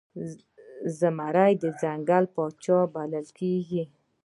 زمری د ځنګل پاچا بلل کېږي.